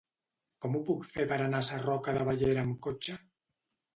Com ho puc fer per anar a Sarroca de Bellera amb cotxe?